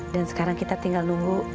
dan sekarang kita tinggal lungu